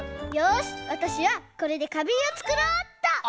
よしわたしはこれでかびんをつくろうっと！